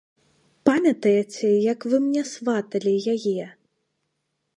Памятаеце, як вы мне сваталі яе?